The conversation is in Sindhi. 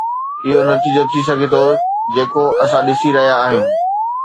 اهو نتيجو ٿي سگهي ٿو جيڪو اسان ڏسي رهيا آهيون.